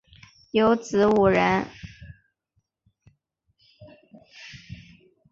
有子五人